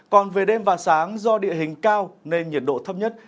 còn về đêm và sáng do địa hình cao nên nhiệt độ thấp nhất